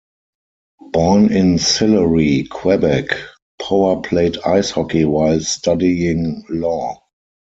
Born in Sillery, Quebec, Power played ice hockey while studying law.